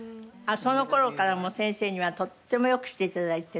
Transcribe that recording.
その頃からもう先生にはとっても良くして頂いてね。